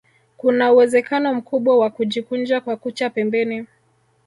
Kuna uwezekano mkubwa wa kujikunja kwa kucha pembeni